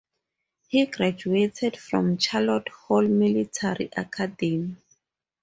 He graduated from Charlotte Hall Military Academy.